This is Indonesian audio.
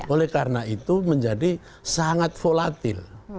oleh karena itu menjadi sangat volatil